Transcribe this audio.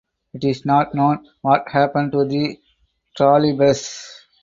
It is not known what happened to the trolleybus.